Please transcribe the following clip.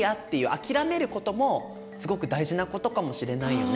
諦めることもすごく大事なことかもしれないよね。